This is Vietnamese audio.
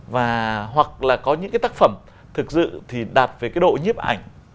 và hoặc là có những cái tác phẩm thực sự thì đạt về cái độ nhiếp ảnh